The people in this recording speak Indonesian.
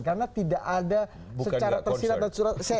karena tidak ada secara tersirat dan surat